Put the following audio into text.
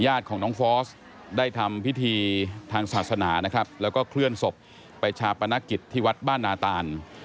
ญาติของน้องฟอสได้ทำพิธีทางศาสนานะครับแล้วก็เคลื่อนศพไปชาปนกิจที่วัดบ้านนาตาน